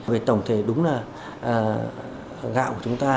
về tổng thể đúng là gạo của chúng ta